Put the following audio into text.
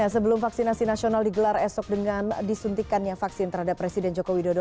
sebelum vaksinasi nasional digelar esok dengan disuntikannya vaksin terhadap presiden joko widodo